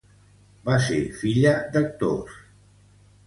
Va ser filla d'actors.